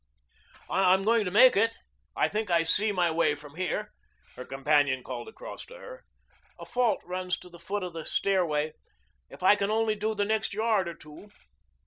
"I'm going to make it. I think I see my way from here," her companion called across to her. "A fault runs to the foot of the stairway, if I can only do the next yard or two."